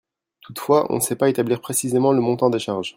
Toutefois on ne sait pas établir précisément le montant des charges.